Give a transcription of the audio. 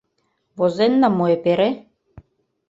Возенна мо эпере?